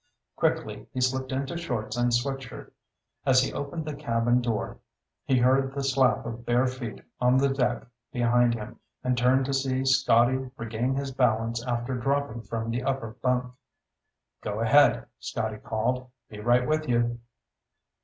Quickly he slipped into shorts and sweat shirt. As he opened the cabin door, he heard the slap of bare feet on the deck behind him and turned to see Scotty regain his balance after dropping from the upper bunk. "Go ahead," Scotty called. "Be right with you."